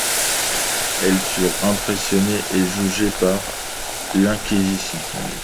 Elles furent emprisonnées et jugées par l'Inquisition.